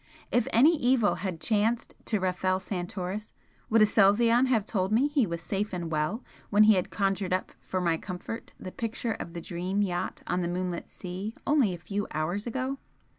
If any evil had chanced to Rafel Santoris, would Aselzion have told me he was 'safe and well' when he had conjured up for my comfort the picture of the 'Dream' yacht on the moonlit sea only a few hours ago?